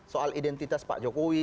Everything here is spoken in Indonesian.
soal identitas pak jokowi